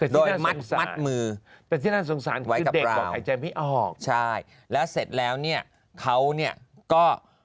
โดยมัดมือไว้กับราวใช่แล้วเสร็จแล้วเขาก็